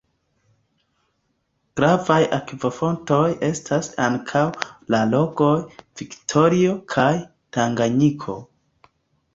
Gravaj akvofontoj estas ankaŭ la lagoj Viktorio kaj Tanganjiko.